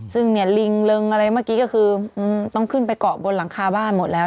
ซึ่งเนี่ยลิงเริงอะไรเมื่อกี้ก็คือต้องขึ้นไปเกาะบนหลังคาบ้านหมดแล้ว